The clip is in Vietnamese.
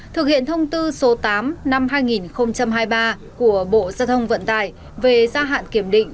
thực hiện thông tư số tám năm hai nghìn hai mươi ba của bộ gia thông vận tải về gia hạn kiểm định